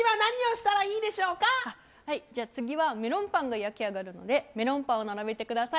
じゃあ、次はメロンパンが焼き上がるのでメロンパンを並べてください。